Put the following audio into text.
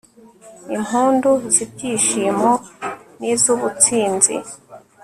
impundu z'ibyishimo n'iz'ubutsinzi